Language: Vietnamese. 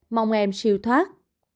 mong em siêu thoát